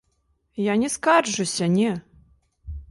Я не скарджуся, не.